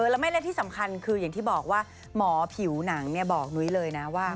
แล้วไม่เล่นที่สำคัญคืออย่างที่บอกว่าหมอผิวหนังเนี่ยบอกนุ๊ยเลยนะว่า